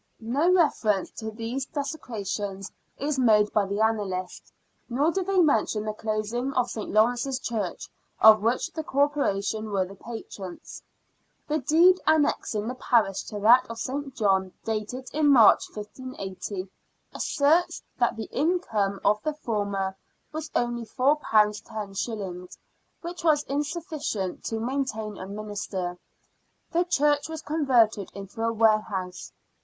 No reference to these desecrations is made by the annalists, nor do they mention the closing of St. Lawrence's Church, of which the Cor poration were the patrons. The deed annexing the parish to that of St. John, dated in March, 1580, asserts that the income of the former was only £4 los., which was insufficient to maintain a minister. The church was converted into a warehouse.